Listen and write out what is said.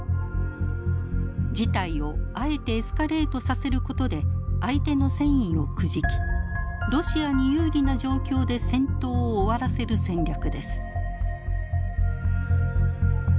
事態をあえてエスカレートさせることで相手の戦意をくじきロシアに有利な状況で戦闘を終わらせる戦略です。